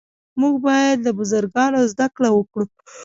موږ باید له بزرګانو زده کړه وکړو.